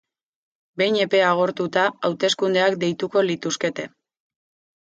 Behin epea agortuta, hauteskundeak deituko lituzkete.